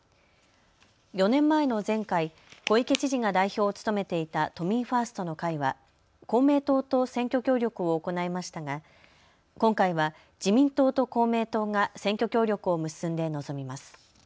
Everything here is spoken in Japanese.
４年前の前回、小池知事が代表を務めていた都民ファーストの会は公明党と選挙協力を行いましたが、今回は自民党と公明党が選挙協力を結んで臨みます。